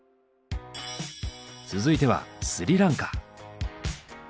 続いてはスリランカ。